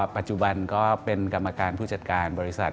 ปัจจุบันก็เป็นกรรมการผู้จัดการบริษัท